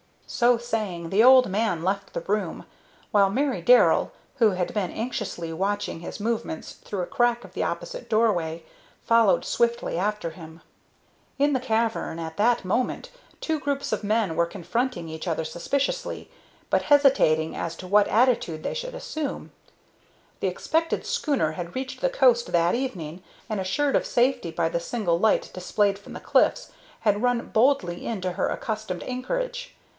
So saying, the old man left the room, while Mary Darrell, who had been anxiously watching his movements through a crack of the opposite doorway, followed swiftly after him. In the cavern, at that moment, two groups of men were confronting each other suspiciously, but hesitating as to what attitude they should assume. The expected schooner had reached the coast that evening, and, assured of safety by the single light displayed from the cliffs, had run boldly in to her accustomed anchorage.